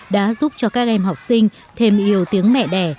đã giúp cho các em học sinh thêm yêu tiếng mẹ đẻ